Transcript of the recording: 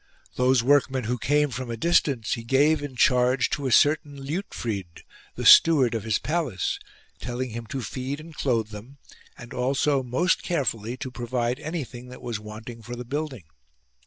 Those workmen who came from a distance he gave in charge to a certain Liutfrid, the steward of his palace, telling him to feed and clothe them and also most carefully to provide anything that was wanting for the building.